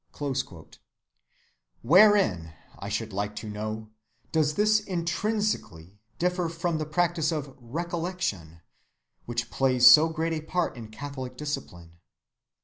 (61) Wherein, I should like to know, does this intrinsically differ from the practice of "recollection" which plays so great a part in Catholic discipline?